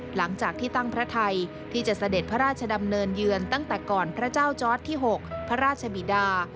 หลังจากที่ตั้งพระไทยที่จะเสด็จพระราชดำเนินเยือนตั้งแต่ก่อนพระเจ้าจอร์ดที่๖พระราชบิดา